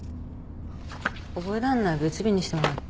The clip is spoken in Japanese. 覚えらんない別日にしてもらって。